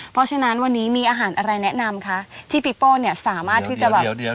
เพราะฉะนั้นวันนี้มีอาหารอะไรแนะนำคะที่ปีโป้เนี่ยสามารถที่จะแบบเดี๋ยว